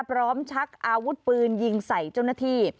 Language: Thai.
ชักอาวุธปืนยิงใส่เจ้าหน้าที่